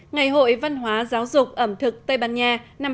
ngày hội văn hóa giáo dục ẩm thực tây ban nha